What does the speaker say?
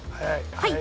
はい！